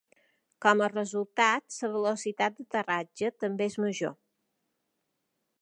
Com a resultat, la velocitat d'aterratge també és major.